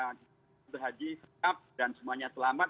untuk haji tetap dan semuanya selamat